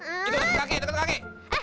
itu deket kaki